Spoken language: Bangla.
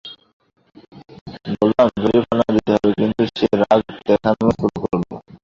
বললাম জরিমানা দিতে, কিন্তু সে রাগ দেখানো শুরু করল।